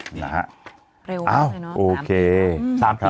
นี่นะฮะโอเคเร็วมากเลยเนอะ๓ปีแล้ว